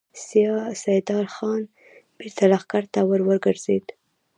سيدال خان بېرته لښکر ته ور وګرځېد.